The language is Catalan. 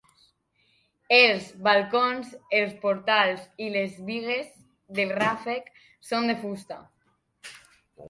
Els balcons, els portals i les bigues del ràfec són de fusta.